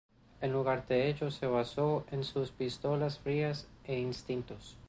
En lugar de ello se basó en sus pistolas frías e instintos.